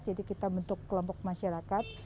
jadi kita bentuk kelompok masyarakat